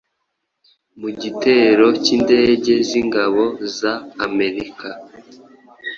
mu gitero cy'indege z'ingabo za Amerika